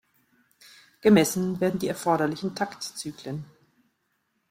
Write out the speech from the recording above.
Gemessen werden die erforderlichen Taktzyklen.